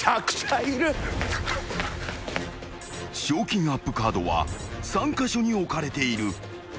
［賞金アップカードは３カ所に置かれている］